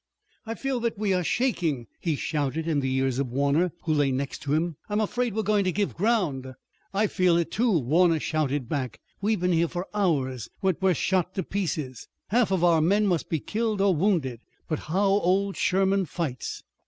"I feel that we are shaking," he shouted in the ears of Warner, who lay next to him. "I'm afraid we're going to give ground." "I feel it, too," Warner shouted back. "We've been here for hours, but we're shot to pieces. Half of our men must be killed or wounded, but how old Sherman fights!"